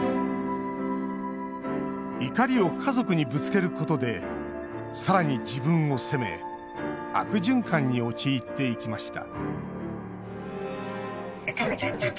怒りを家族にぶつけることでさらに自分を責め悪循環に陥っていきました